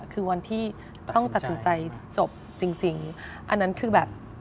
คือวันที่ต้องตัดสินใจจบจริงอันนั้นคือแบบ